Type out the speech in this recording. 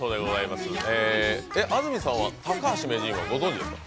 安住さんは高橋名人はご存じですか？